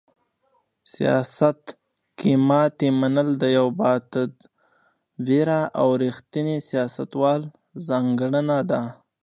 سیاست کې ماتې منل د یو باتدبیره او رښتیني سیاستوال ځانګړنه ده.